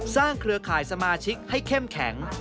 เครือข่ายสมาชิกให้เข้มแข็ง